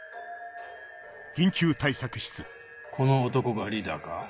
この男がリーダーか？